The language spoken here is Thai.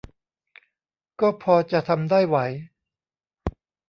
ก็พอจะทำได้ไหว